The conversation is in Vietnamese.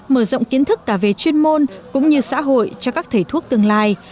mở rộng kiến thức cả về chuyên môn cũng như xã hội cho các thầy thuốc tương lai